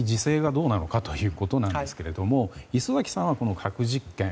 磯崎さん、自制がどうなのかということですが礒崎さんは核実験